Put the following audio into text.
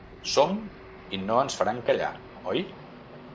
Som i no ens faran callar, oi?